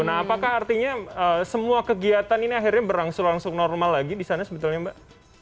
nah apakah artinya semua kegiatan ini akhirnya berangsur angsung normal lagi di sana sebetulnya mbak